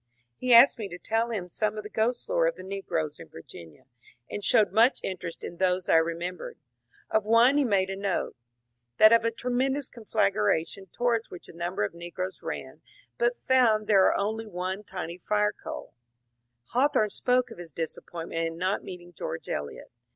He ashed me to tell him some of the ghost lore of the negroes in Vir ginia, and showed much interest in those I remembered. Of one he made a note, — that of a tremendous conflagration towards which a number of negroes ran, but found there only one tiny fire coal. Hawthorne spoke of his disappointment in not meeting George Eliot.